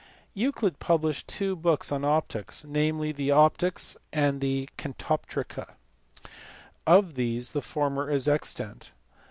Euclid published two books on optics, namely the Optics and the Catoptrica. Of these the former is extant.